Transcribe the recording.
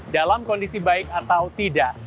dalam kondisi baik atau tidak